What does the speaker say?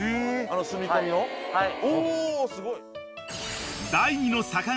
おすごい。